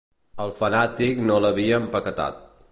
El fanàtic no l'havia empaquetat.